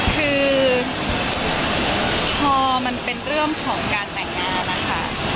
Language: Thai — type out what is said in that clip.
คือพอมันเป็นเรื่องของการแต่งงานนะคะ